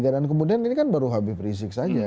dan kemudian ini kan baru kb prizik saja